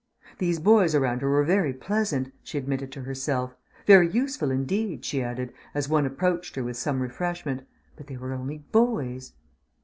These boys around her were very pleasant, she admitted to herself; very useful indeed, she added, as one approached her with some refreshment; but they were only boys.